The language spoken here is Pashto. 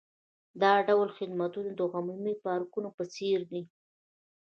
دا ډول خدمتونه د عمومي پارکونو په څیر دي